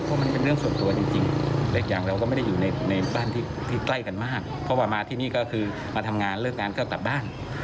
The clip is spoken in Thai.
เพราะว่ามาที่นี่ก็คือมาทำงานเลิกงานก็กลับบ้าน